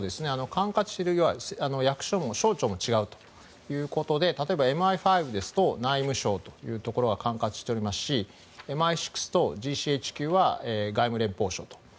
管轄する役所も省庁も違うということで例えばＭＩ５ですと内務省というところが管轄していますしＭＩ６とＧＣＨＱは外務連邦省と。